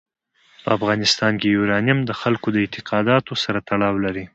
په افغانستان کې یورانیم د خلکو د اعتقاداتو سره تړاو لري.